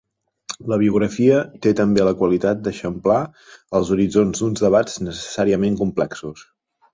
La biografia té també la qualitat d'eixamplar els horitzons d'uns debats necessàriament complexos.